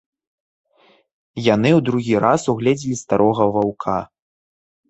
Яны ў другі раз угледзелі старога ваўка.